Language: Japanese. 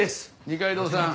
二階堂さん